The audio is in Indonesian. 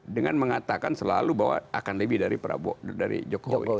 dengan mengatakan selalu bahwa akan lebih dari jokowi